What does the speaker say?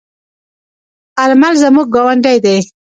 آرمل زموږ گاوندی دی.